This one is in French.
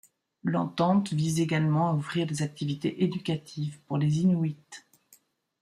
L'entente vise également à offrir des activités éducatives pour les Inuits.